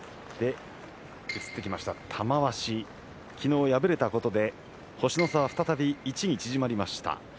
玉鷲、昨日敗れたことで星の差、再び１に縮まりました。